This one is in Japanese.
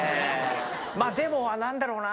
まあでも何だろうな。